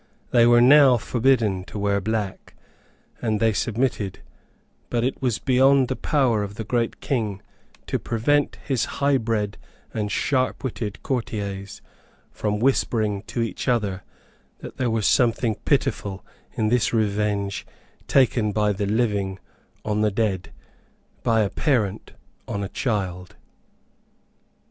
They were now forbidden to wear black; and they submitted; but it was beyond the power of the great King to prevent his highbred and sharpwitted courtiers from whispering to each other that there was something pitiful in this revenge taken by the living on the dead, by a parent on a child.